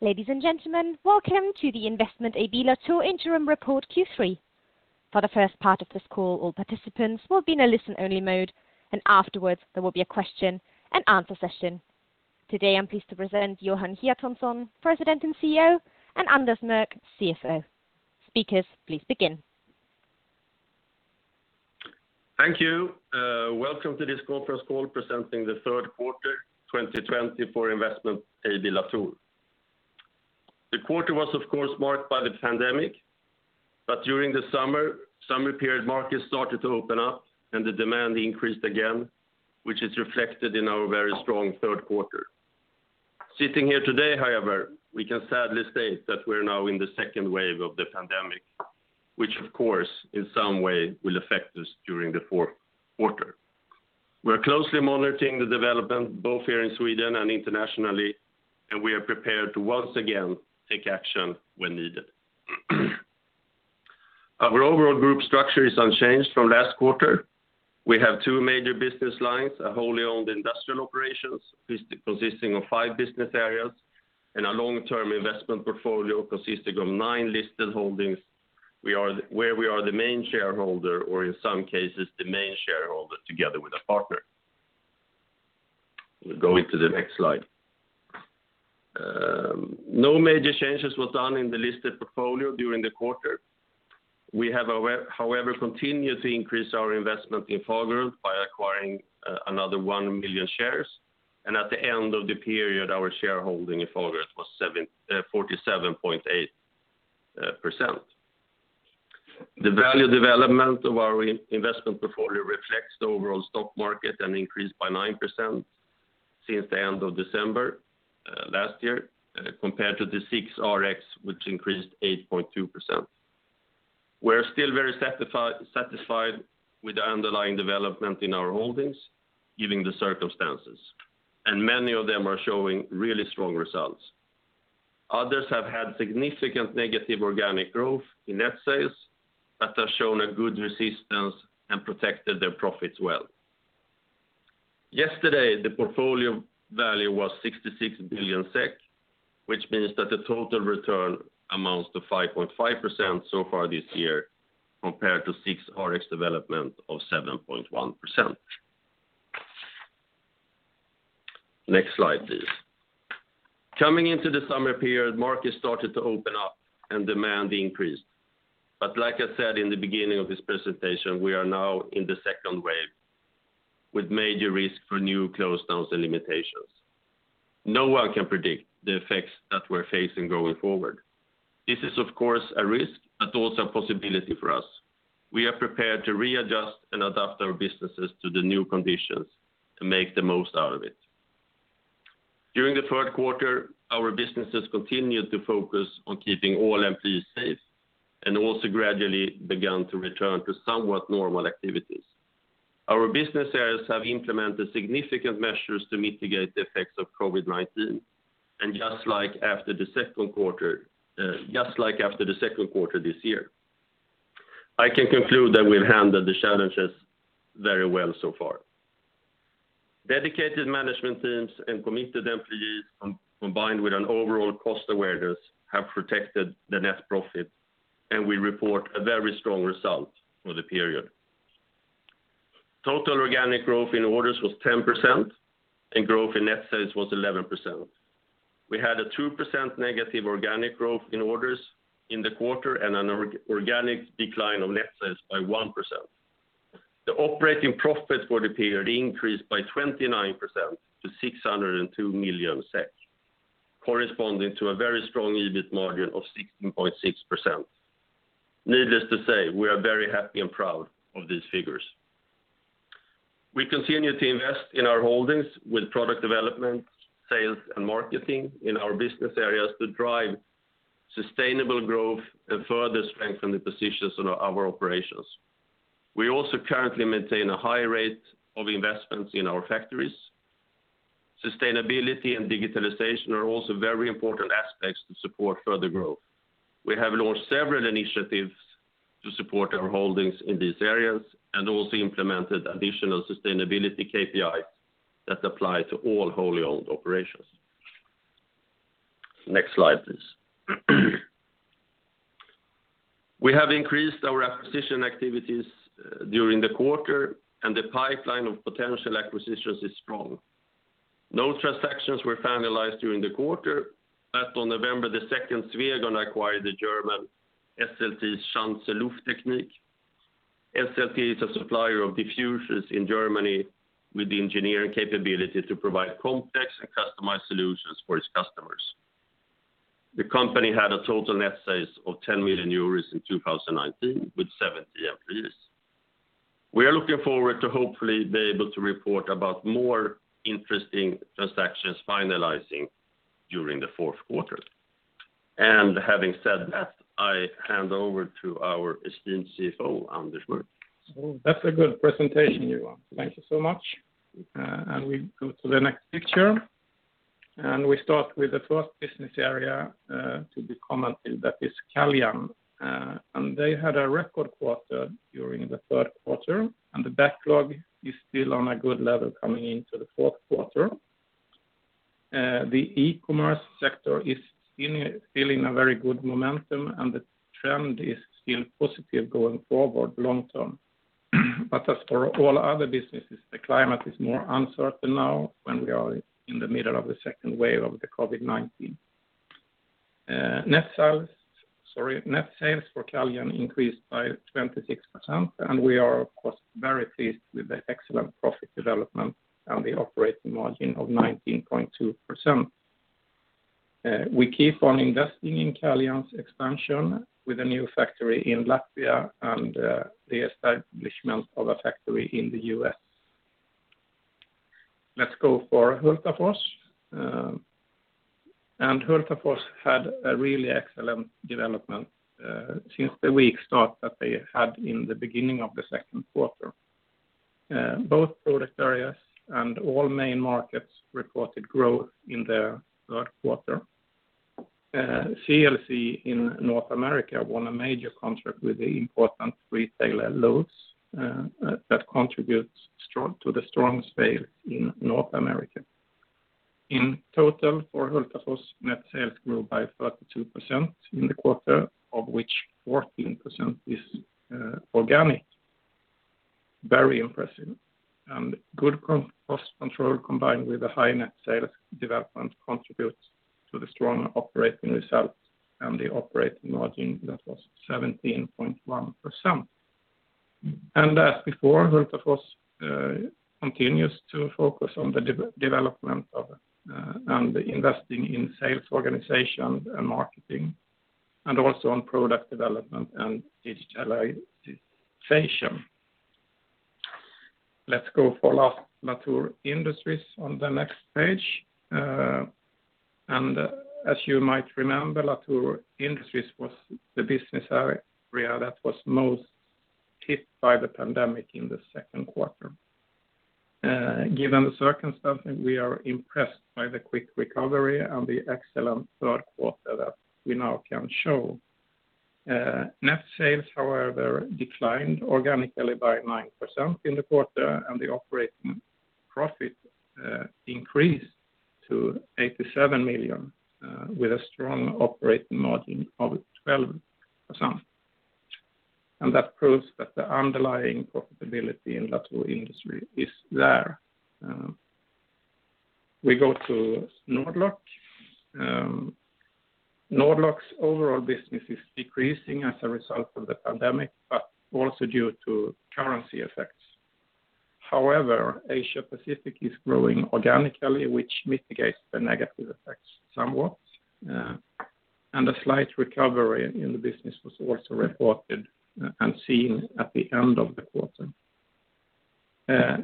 Ladies and gentlemen, welcome to the Investment AB Latour Interim Report Q3. For the first part of this call, all participants will be in a listen-only mode, and afterwards there will be a question and answer session. Today, I'm pleased to present Johan Hjertonsson, President and CEO, and Anders Mörck, CFO. Speakers, please begin. Thank you. Welcome to this conference call presenting the third quarter 2020 for Investment AB Latour. The quarter was, of course, marked by the pandemic. During the summer period, markets started to open up and the demand increased again, which is reflected in our very strong third quarter. Sitting here today, however, we can sadly state that we are now in the second wave of the pandemic, which of course, in some way will affect us during the fourth quarter. We are closely monitoring the development both here in Sweden and internationally. We are prepared to once again take action when needed. Our overall group structure is unchanged from last quarter. We have two major business lines, a wholly owned industrial operations consisting of five business areas, and a long-term investment portfolio consisting of nine listed holdings where we are the main shareholder, or in some cases the main shareholder together with a partner. We'll go into the next slide. No major changes were done in the listed portfolio during the quarter. We have, however, continued to increase our investment in Fagerhult by acquiring another one million shares, and at the end of the period, our shareholding in Fagerhult was 47.8%. The value development of our investment portfolio reflects the overall stock market, and increased by 9% since the end of December last year compared to the SIXRX, which increased 8.2%. We are still very satisfied with the underlying development in our holdings given the circumstances, and many of them are showing really strong results. Others have had significant negative organic growth in net sales but have shown a good resistance and protected their profits well. Yesterday, the portfolio value was 66 billion SEK, which means that the total return amounts to 5.5% so far this year compared to SIXRX development of 7.1%. Next slide, please. Coming into the summer period, markets started to open up and demand increased. Like I said in the beginning of this presentation, we are now in the second wave with major risk for new closedowns and limitations. No one can predict the effects that we're facing going forward. This is, of course, a risk, but also a possibility for us. We are prepared to readjust and adapt our businesses to the new conditions to make the most out of it. During the third quarter, our businesses continued to focus on keeping all employees safe and also gradually began to return to somewhat normal activities. Our business areas have implemented significant measures to mitigate the effects of COVID-19. Just like after the second quarter this year, I can conclude that we've handled the challenges very well so far. Dedicated management teams and committed employees, combined with an overall cost awareness, have protected the net profit. We report a very strong result for the period. Total organic growth in orders was 10% and growth in net sales was 11%. We had a 2% negative organic growth in orders in the quarter and an organic decline of net sales by 1%. The operating profit for the period increased by 29% to 602 million SEK, corresponding to a very strong EBIT margin of 16.6%. Needless to say, we are very happy and proud of these figures. We continue to invest in our holdings with product development, sales, and marketing in our business areas to drive sustainable growth and further strengthen the positions of our operations. We also currently maintain a high rate of investments in our factories. Sustainability and digitalization are also very important aspects to support further growth. We have launched several initiatives to support our holdings in these areas and also implemented additional sustainability KPIs that apply to all wholly owned operations. Next slide, please. We have increased our acquisition activities during the quarter, and the pipeline of potential acquisitions is strong. No transactions were finalized during the quarter, but on November 2nd, we are going to acquire the German SLT Schanze Lufttechnik. SLT is a supplier of diffusers in Germany with the engineering capability to provide complex and customized solutions for its customers. The company had a total net sales of 10 million euros in 2019 with 70 employees. We are looking forward to hopefully be able to report about more interesting transactions finalizing during the fourth quarter. Having said that, I hand over to our esteemed CFO, Anders Mörck. That's a good presentation, Johan. Thank you so much. We go to the next picture, and we start with the first business area to be commented, that is Caljan. They had a record quarter during the third quarter, and the backlog is still on a good level coming into the fourth quarter. The e-commerce sector is still in a very good momentum, the trend is still positive going forward long term. As for all other businesses, the climate is more uncertain now when we are in the middle of the second wave of the COVID-19. Net sales for Caljan increased by 26%, we are, of course, very pleased with the excellent profit development and the operating margin of 19.2%. We keep on investing in Caljan's expansion with a new factory in Latvia and the establishment of a factory in the U.S. Let's go for Hultafors. Hultafors had a really excellent development since the weak start that they had in the beginning of the second quarter. Both product areas and all main markets reported growth in the third quarter. CLC in North America won a major contract with the important retailer, Lowe's, that contributes to the strongest sales in North America. In total, for Hultafors, net sales grew by 32% in the quarter, of which 14% is organic. Very impressive. Good cost control combined with a high net sales development contributes to the strong operating results and the operating margin that was 17.1%. As before, Hultafors continues to focus on the development and investing in sales organization and marketing, and also on product development and digitalization. Let's go for last, Latour Industries on the next page. As you might remember, Latour Industries was the business area that was most hit by the pandemic in the second quarter. Given the circumstances, we are impressed by the quick recovery and the excellent third quarter that we now can show. Net sales declined organically by 9% in the quarter, and the operating profit increased to 87 million, with a strong operating margin of 12%. That proves that the underlying profitability in Latour Industries is there. We go to Nord-Lock. Nord-Lock's overall business is decreasing as a result of the pandemic, but also due to currency effects. Asia Pacific is growing organically, which mitigates the negative effects somewhat, and a slight recovery in the business was also reported and seen at the end of the quarter.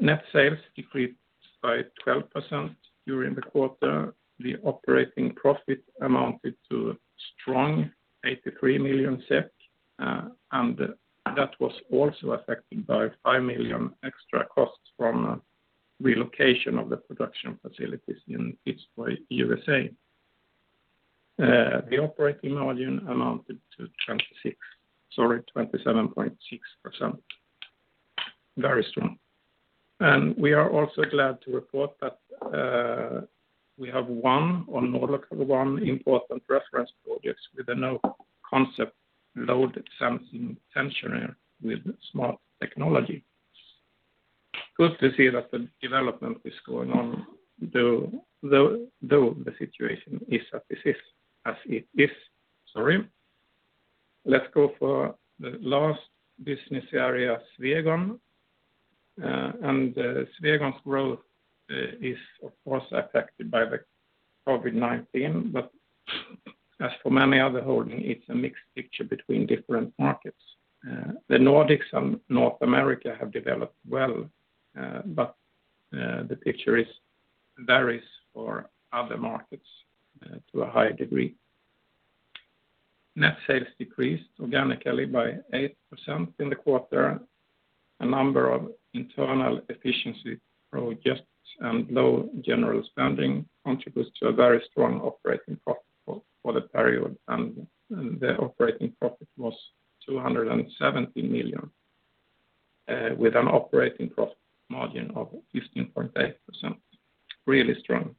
Net sales decreased by 12% during the quarter. The operating profit amounted to a strong 83 million SEK, and that was also affected by 5 million extra costs from relocation of the production facilities in Expander, U.S.A. The operating margin amounted to 27.6%. Very strong. We are also glad to report that we have one on Nord-Lock, one important reference project with a new concept Load-Sensing with smart technology. Good to see that the development is going on though the situation is as it is. Let's go for the last business area, Swegon. Swegon's growth is, of course, affected by the COVID-19, but as for many other holding, it's a mixed picture between different markets. The Nordics and North America have developed well, but the picture varies for other markets to a high degree. Net sales decreased organically by 8% in the quarter. A number of internal efficiency projects and low general spending contributes to a very strong operating profit for the period, and the operating profit was 270 million, with an operating profit margin of 15.8%. Really strong.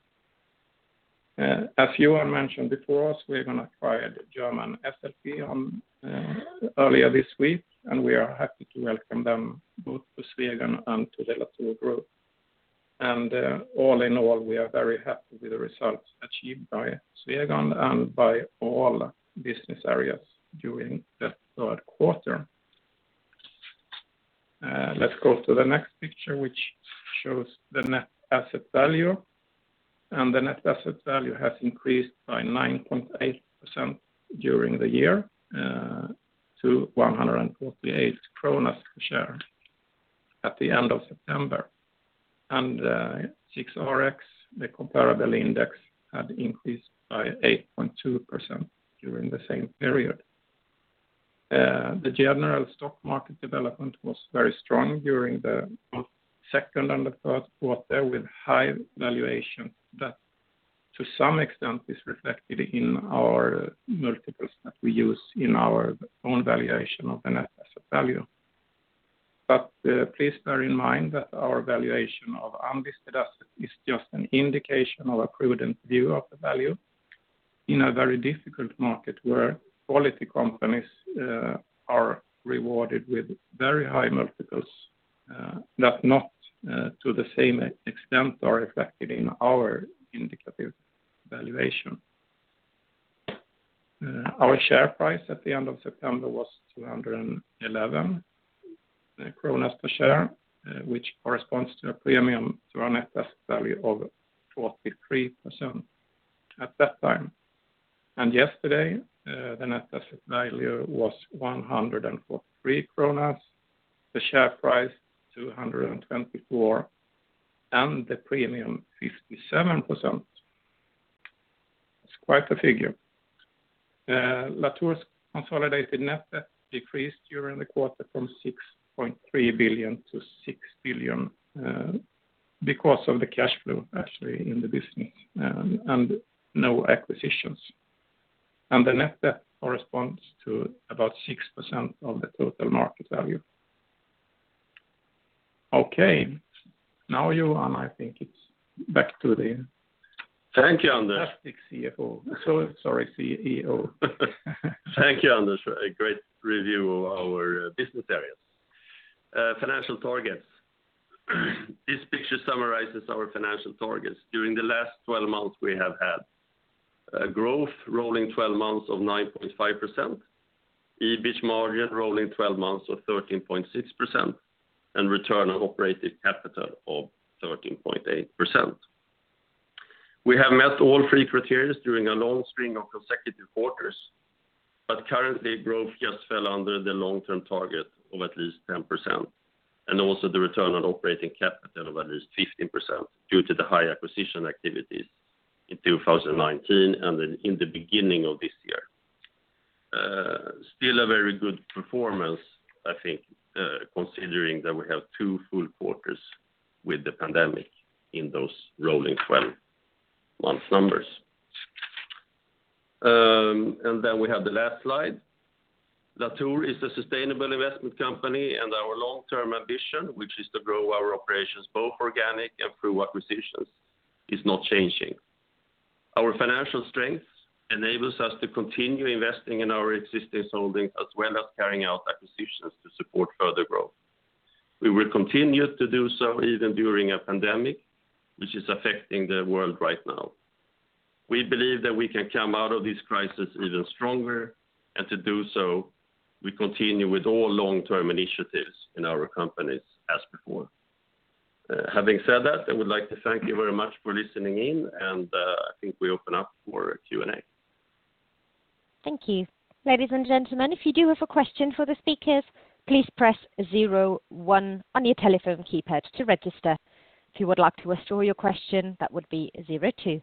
As Johan mentioned before, we acquired a German SLT earlier this week, and we are happy to welcome them both to Swegon and to the Latour Group. All in all, we are very happy with the results achieved by Swegon and by all business areas during the third quarter. Let's go to the next picture, which shows the net asset value. The net asset value has increased by 9.8% during the year to 148 kronor per share at the end of September. SIXRX, the comparable index, had increased by 8.2% during the same period. The general stock market development was very strong during the second and the third quarter with high valuation that to some extent is reflected in our multiples that we use in our own valuation of the net asset value. Please bear in mind that our valuation of unlisted assets is just an indication of a prudent view of the value in a very difficult market where quality companies are rewarded with very high multiples that are not to the same extent are reflected in our indicative valuation. Our share price at the end of September was 211 kronor per share, which corresponds to a premium to our net asset value of 43% at that time. Yesterday, the net asset value was 143 kronor, the share price 224, and the premium 57%. It's quite a figure. Latour's consolidated net debt decreased during the quarter from 6.3 billion to 6 billion because of the cash flow actually in the business, and no acquisitions. The net debt corresponds to about 6% of the total market value. Okay. Now, Johan, I think it's back to the- Thank you, Anders. classic CFO. Sorry, CEO. Thank you, Anders. A great review of our business areas. Financial targets. This picture summarizes our financial targets. During the last 12 months, we have had growth rolling 12 months of 9.5%, EBIT margin rolling 12 months of 13.6%, and return on operating capital of 13.8%. We have met all three criteria during a long string of consecutive quarters, but currently growth just fell under the long-term target of at least 10%, and also the return on operating capital of at least 15% due to the high acquisition activities in 2019 and then in the beginning of this year. Still a very good performance, I think, considering that we have two full quarters with the pandemic in those rolling 12 month numbers. We have the last slide. Latour is a sustainable investment company and our long-term ambition, which is to grow our operations both organic and through acquisitions, is not changing. Our financial strength enables us to continue investing in our existing holdings, as well as carrying out acquisitions to support further growth. We will continue to do so even during a pandemic, which is affecting the world right now. We believe that we can come out of this crisis even stronger, and to do so, we continue with all long-term initiatives in our companies as before. Having said that, I would like to thank you very much for listening in, and I think we open up for Q&A. Thank you. Ladies and gentlemen, if you do have a question for the speakers, please press zero, one on your telephone keypad to register. If you would like to withdraw your question, that would be zero, two.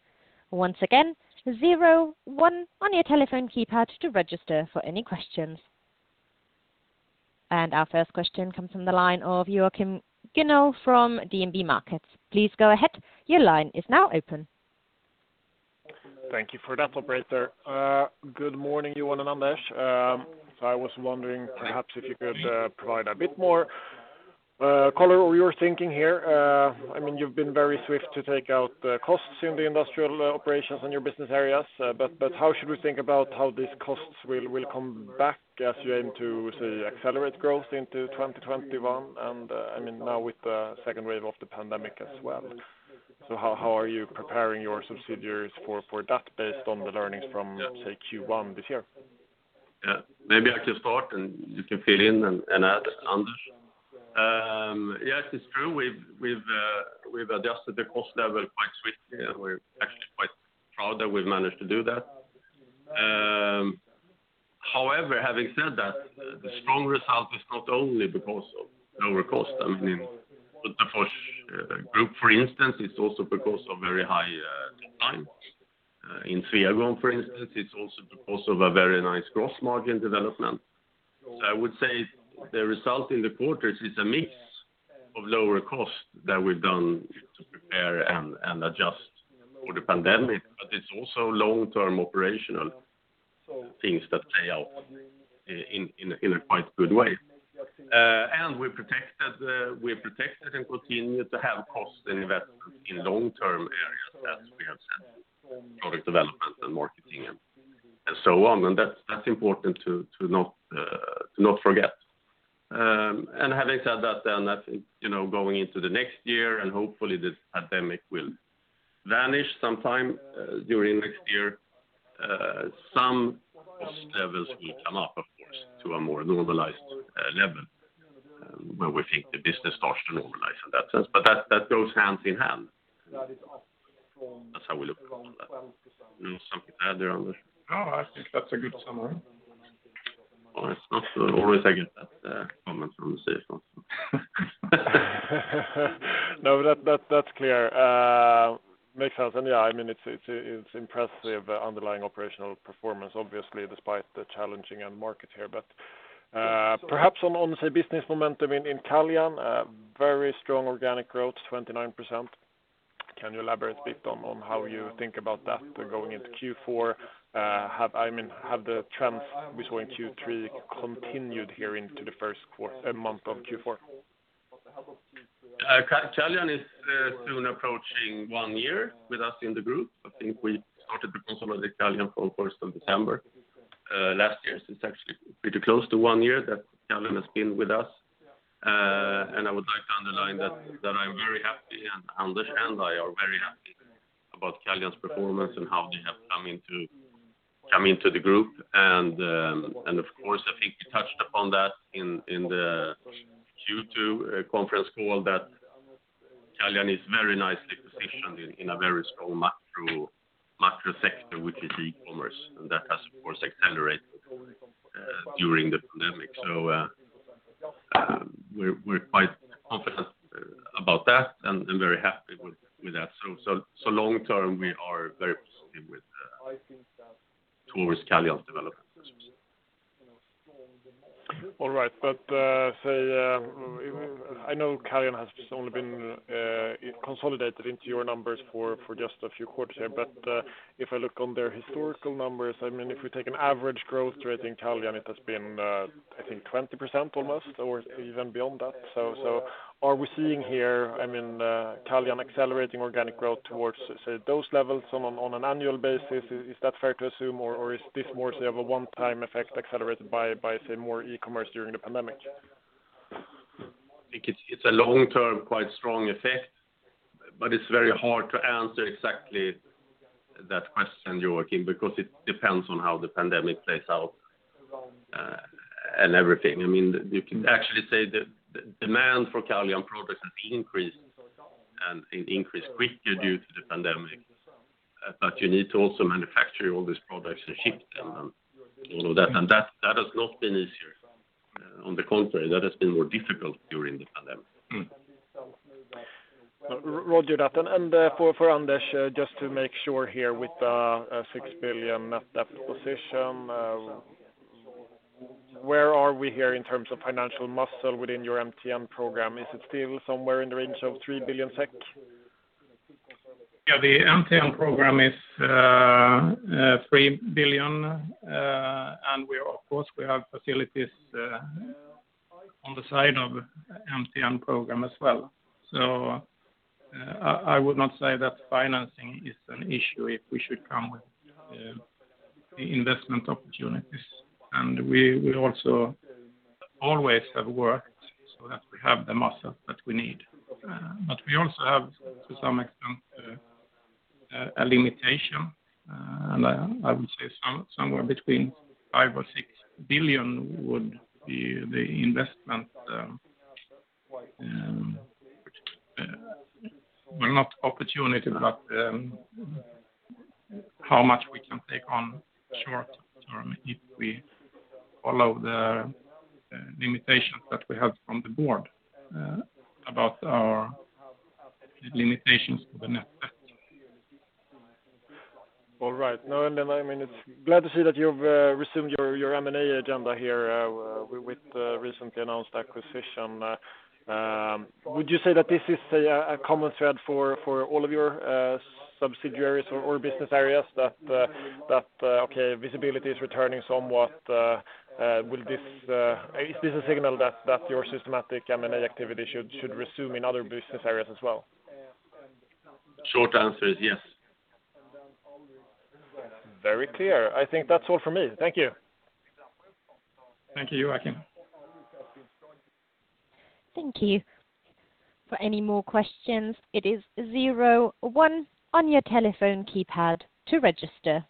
Once again, zero, one on your telephone keypad to register for any questions. And our first question comes from the line of Joakim Melingen from DNB Markets. Please go ahead. Your line is now open. Thank you for that operator. Good morning, Johan and Anders. I was wondering perhaps if you could provide a bit more color on your thinking here. You've been very swift to take out the costs in the industrial operations in your business areas. How should we think about how these costs will come back as you aim to accelerate growth into 2021? Now with the second wave of the pandemic as well. How are you preparing your subsidiaries for that based on the learnings from Q1 this year? Maybe I can start, and you can fill in and add, Anders. Yes, it's true. We've adjusted the cost level quite swiftly, and we're actually quite proud that we've managed to do that. However, having said that, the strong result is not only because of lower cost. In the group, for instance, it's also because of very high demand. In Fagerhult, for instance, it's also because of a very nice gross margin development. I would say the result in the quarters is a mix of lower cost that we've done to prepare and adjust for the pandemic, but it's also long-term operational things that play out in a quite good way. We protected and continued to have cost and investment in long-term areas that we have said, product development and marketing and so on. That's important to not forget. Having said that then, I think going into the next year and hopefully this pandemic will vanish sometime during next year. Some cost levels will come up, of course, to a more normalized level where we think the business starts to normalize in that sense. That goes hand in hand. [inaudible] Something to add there, Anders? No, I think that's a good summary. It's not always I get that comment from the CFO. No, that's clear. Makes sense. It's impressive underlying operational performance, obviously, despite the challenging end market here. Perhaps on business momentum in Caljan, very strong organic growth, 29%. Can you elaborate a bit on how you think about that going into Q4? Have the trends we saw in Q3 continued here into the first month of Q4? Caljan is soon approaching one year with us in the group. I think we started the consumer of Caljan on 1st of December last year. It's actually pretty close to one year that Caljan has been with us. I would like to underline that Anders and I are very happy about Caljan's performance and how they have come into the group. Of course, I think we touched upon that in the Q2 conference call that Caljan is very nicely positioned in a very strong macro sector, which is e-commerce, and that has of course accelerated during the pandemic. We're quite confident about that and very happy with that. Long term, we are very positive towards Caljan's development. All right. I know Caljan has only been consolidated into your numbers for just a few quarters here. If I look on their historical numbers, if we take an average growth rate in Caljan, it has been I think 20% almost or even beyond that. Are we seeing here Caljan accelerating organic growth towards, say, those levels on an annual basis? Is that fair to assume, or is this more of a one-time effect accelerated by more e-commerce during the pandemic? I think it's a long-term, quite strong effect, but it's very hard to answer exactly that question, Joakim, because it depends on how the pandemic plays out and everything. You can actually say the demand for Caljan products has increased and increased quickly due to the pandemic. You need to also manufacture all these products and ship them and all of that. That has not been easier. On the contrary, that has been more difficult during the pandemic. Roger that. For Anders, just to make sure here with the 6 billion net debt position, where are we here in terms of financial muscle within your MTN program? Is it still somewhere in the range of 3 billion SEK? Yeah, the MTN program is 3 billion. Of course, we have facilities on the side of MTN program as well. I would not say that financing is an issue if we should come with the investment opportunities. We also always have worked so that we have the muscle that we need. We also have to some extent a limitation. I would say somewhere between 5 billion or 6 billion would be the investment, well, not opportunity, but how much we can take on short term if we follow the limitations that we have from the board about our limitations to the net debt. All right. Glad to see that you've resumed your M&A agenda here with the recently announced acquisition. Would you say that this is a common thread for all of your subsidiaries or business areas that, okay, visibility is returning somewhat? Is this a signal that your systematic M&A activity should resume in other business areas as well? Short answer is yes. Very clear. I think that's all for me. Thank you. Thank you, Joakim. Thank you. For any more questions, it is zero, one on your telephone keypad to register.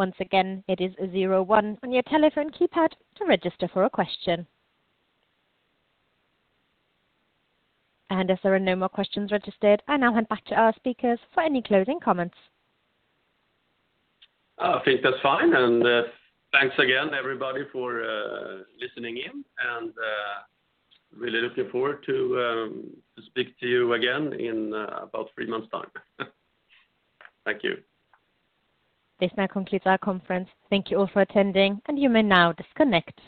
Once again, it is zero, one on your telephone keypad to register for a question. And as there are no more questions registered, I now hand back to our speakers for any closing comments. I think that's fine. Thanks again, everybody, for listening in, and really looking forward to speak to you again in about three months' time. Thank you. This now concludes our conference. Thank you all for attending, and you may now disconnect.